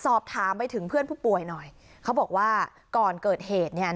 สอบถามไปถึงเพื่อนผู้ป่วยหน่อยเขาบอกว่าก่อนเกิดเหตุเนี่ย